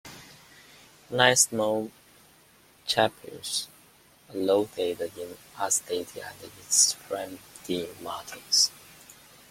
Nine small chapels are located in Aulesti and its surrounding mountains.